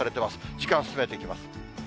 時間進めていきます。